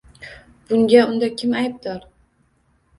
Bunga unda kim aybdor?